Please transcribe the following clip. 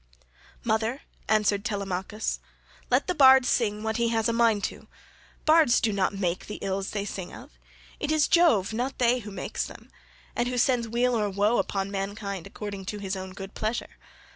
9 "Mother," answered Telemachus, "let the bard sing what he has a mind to; bards do not make the ills they sing of; it is Jove, not they, who makes them, and who sends weal or woe upon mankind according to his own good pleasure.